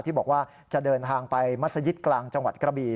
ที่บอกว่าจะเดินทางไปมัศยิตกลางจังหวัดกระบี